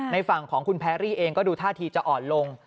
ฝั่งของคุณแพรรี่เองก็ดูท่าทีจะอ่อนลง